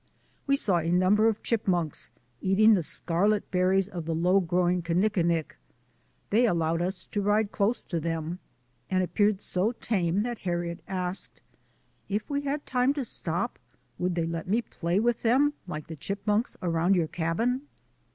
We saw a number of chipmunks eating the scar let berries of the low growing kinnikinick. They allowed us to ride close to them, and appeared so tame that Harriet asked: " If we had time to stop would they let me play with them like the chipmunks around your cabin?"